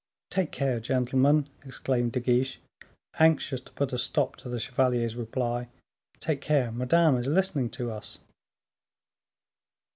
"Take care, gentlemen," exclaimed De Guiche, anxious to put a stop to the chevalier's reply; "take care, Madame is listening to us."